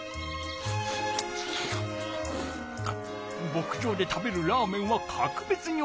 牧場で食べるラーメンはかくべつにおいしいのう。